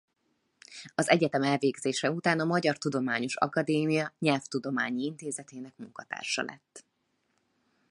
Az egyetem elvégzése után a Magyar Tudományos Akadémia Nyelvtudományi Intézetének munkatársa lett.